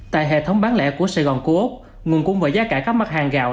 tại hệ thống bán lẻ của sài gòn cô úc nguồn cung và giá cả các mặt hàng gạo